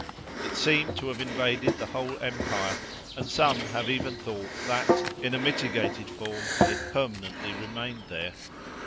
It seemed to have invaded the whole empire, and some have even thought that, in a mitigated form, it permanently remained there.